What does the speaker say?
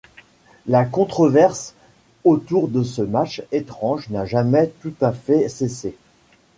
La controverse autour de ce match étrange n'a jamais tout à fait cessé.